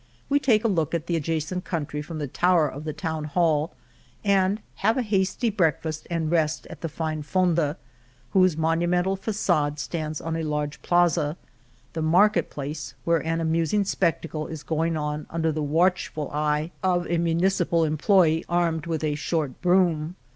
We take a look at the adjacent country from the tower of the Town Hall, and have a hasty breakfast and rest at the fine fonda, whose monumental fa9ade stands on a large plaza, the market place, where an amusing spectacle is going on under the watchful eye of a municipal 138 1 ^ Mi I, V. /« Crijitano. El Toboso employee armed with a short broom.